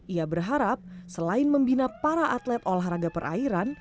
ia berharap selain membina para atlet olahraga perairan